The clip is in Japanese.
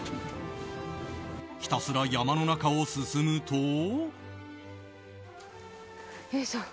ひたすら山の中を進むと。